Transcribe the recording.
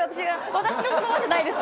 私の言葉じゃないです。